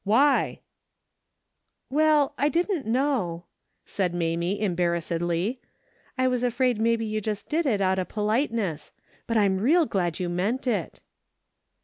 Why ?"" Well, I didn't know," said Mamie, embar rassedly, " I Avas afraid mebbe you just did it out o' politeness. But I'm real glad you meant it."